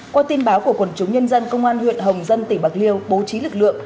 qua tin báo của quần chúng nhân dân công an huyện hồng dân tỉnh bạc liêu bố trí lực lượng